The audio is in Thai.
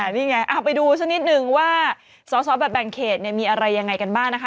นี่ไงไปดูซะนิดนึงว่าซ้อแบบแบงค์เขตมีอะไรอย่างไรกันบ้าง